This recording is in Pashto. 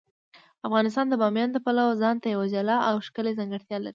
افغانستان د بامیان د پلوه ځانته یوه جلا او ښکلې ځانګړتیا لري.